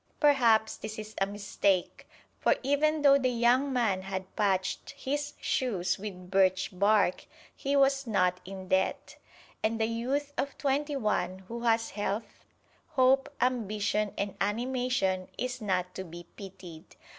Perhaps this is a mistake, for even though the young man had patched his shoes with birch bark, he was not in debt. And the youth of twenty one who has health, hope, ambition and animation is not to be pitied.